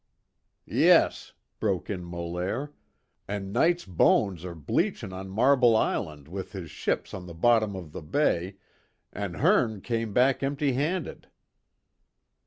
"Yes," broke in Molaire, "an' Knight's bones are bleachin' on Marble Island with his ships on the bottom of the Bay, an' Hearne came back empty handed."